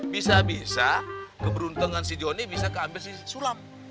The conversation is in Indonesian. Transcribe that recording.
bisa bisa keberuntungan si jody bisa ngambil siusulam